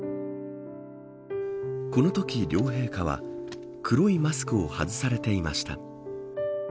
このとき両陛下は黒いマスクを外されていました。